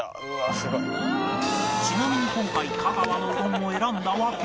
ちなみに今回香川のうどんを選んだ訳は？